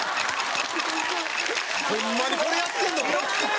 ホンマにこれやってるの？